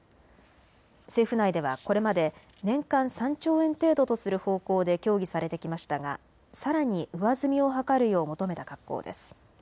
政府内ではこれまで年間３兆円程度とする方向で協議されてきましたが、さらに上積みを図るよう求めた格好です。